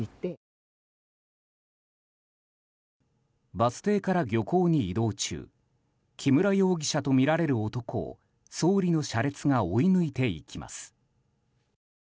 バス停から漁港に移動中木村容疑者とみられる男を総理の車列が追い抜いていきます。